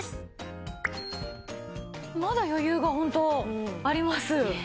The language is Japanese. まだ余裕がホントあります。